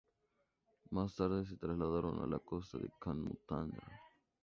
Más tarde, se trasladaron a la costa de Can Muntaner.